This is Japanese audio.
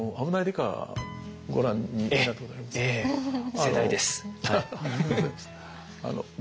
世代です。